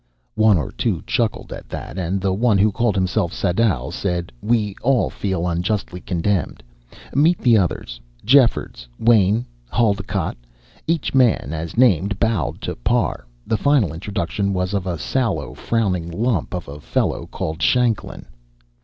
One or two chuckled at that, and the one who called himself Sadau said: "We all feel unjustly condemned. Meet the others Jeffords, Wain, Haldocott...." Each man, as named, bowed to Parr. The final introduction was of a sallow, frowning lump of a fellow called Shanklin.